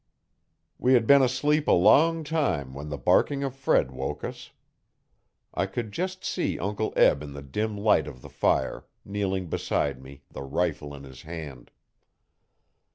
We had been asleep a long time when the barking of Fred woke us. I could just see Uncle Eb in the dim light of the fire, kneeling beside me, the rifle in his hand.